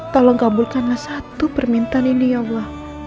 tolong kabulkanlah satu permintaan ini ya allah